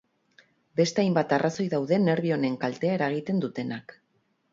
Beste hainbat arrazoi daude nerbio honen kaltea eragiten dutenak.